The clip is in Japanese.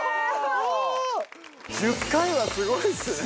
１０回はすごいっすね。